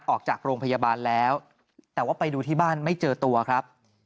ออกจากโรงพยาบาลแล้วแต่ว่าไปดูที่บ้านไม่เจอตัวครับ